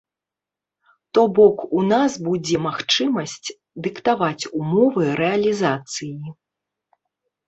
То-бок у нас будзе магчымасць дыктаваць умовы рэалізацыі.